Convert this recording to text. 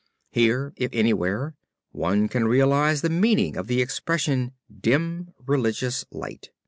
Here if anywhere one can realize the meaning of the expression dim religious light.